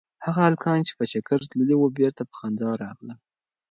هغه هلکان چې په چکر تللي وو بېرته په خندا راغلل.